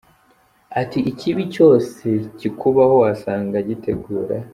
Ati, Ikibi cyose kikubaho wasanga gitegura.